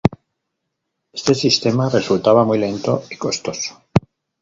Este sistema resultaba muy lento y costoso.